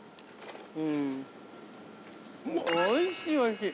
◆おいしい、おいしい。